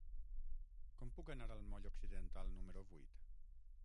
Com puc anar al moll Occidental número vuit?